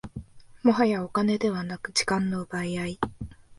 もはやお金ではなく時間の奪い合い